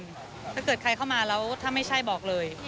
ถ้าเกิดใครเข้ามาแล้วถ้าไม่ใช่บอกเลย